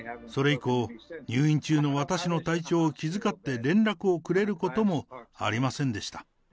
それ以降、入院中の私の体調を気遣って連絡をくれることもありませんでした。